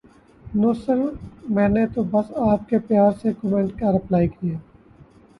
نو sir میں نے تو بس آپ کے پیارے سے کومینٹ کا رپلائے کیا